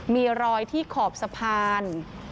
มีรอยที่ขอบสะพาน